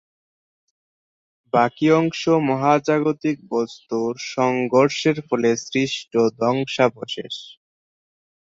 বাকী অংশ মহাজাগতিক বস্তুর সংঘর্ষের ফলে সৃষ্ট ধ্বংসাবশেষ।